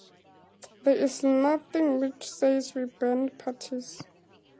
There is nothing which says we ban parties.